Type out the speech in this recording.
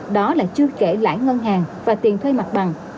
đó là chưa kể lãi ngân hàng và tiền thuê mặt bằng